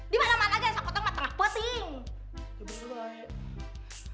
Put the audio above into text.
di mana mana aja yang sakoteng mah tengah peting